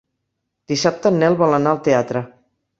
Dissabte en Nel vol anar al teatre.